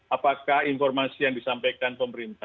apakah informasi yang disampaikan pemerintah